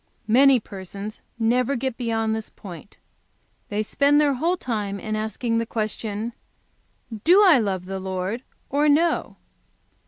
Many persons never get beyond this point. They spend their whole time in asking the question: "'Do I love the Lord or no?